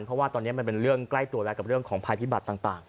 เพราะว่าตอนนี้มันเป็นเรื่องใกล้ตัวแล้วกับเรื่องของภัยพิบัติต่าง